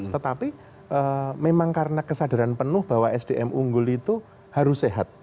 tetapi memang karena kesadaran penuh bahwa sdm unggul itu harus sehat